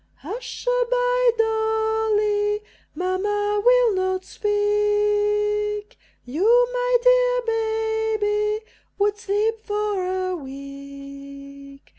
Hush a by, Dolly! Mamma will not speak; You, my dear baby, would sleep for a week.